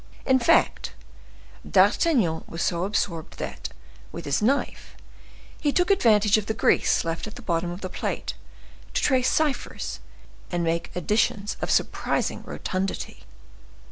In fact, D'Artagnan was so absorbed, that, with his knife, he took advantage of the grease left at the bottom of his plate, to trace ciphers and make additions of surprising rotundity.